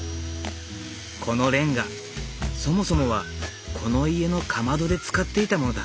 このレンガそもそもはこの家のかまどで使っていたものだ。